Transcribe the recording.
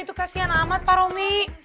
itu kasihan amat pak romi